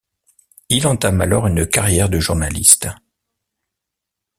Il entame alors une carrière de journaliste.